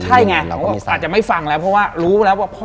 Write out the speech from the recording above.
อาจจะไม่ฟังแล้วเพราะว่ารู้แล้วว่า